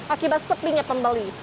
akibat sepinya pembeli